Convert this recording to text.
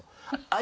「あ」